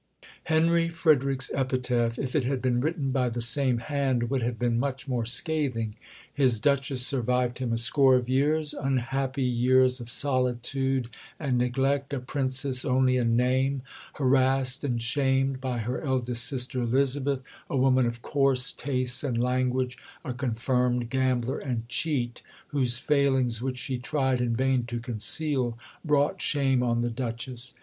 Henry Frederick's epitaph, if it had been written by the same hand, would have been much more scathing. His Duchess survived him a score of years unhappy years of solitude and neglect, a Princess only in name harassed and shamed by her eldest sister, Elizabeth, a woman of coarse tastes and language, a confirmed gambler and cheat, whose failings, which she tried in vain to conceal, brought shame on the Duchess.